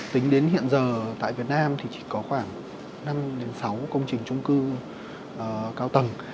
tính đến hiện giờ tại việt nam thì chỉ có khoảng năm đến sáu công trình trung cư cao tầng